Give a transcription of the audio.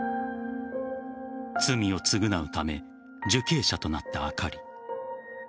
罪を償うため受刑者となったあかり。